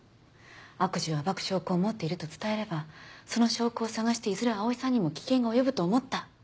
悪事を暴く証拠を持っていると伝えればその証拠を探していずれ葵さんにも危険が及ぶと思った。